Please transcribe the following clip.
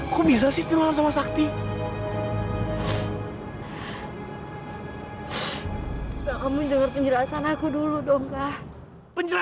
sampai jumpa di video selanjutnya